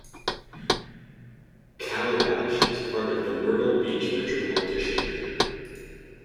Calabash is part of the Myrtle Beach metropolitan area.